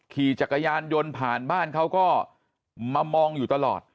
ขี่จักรยานยนต์ผ่านบ้านเขาก็มามองอยู่ตลอด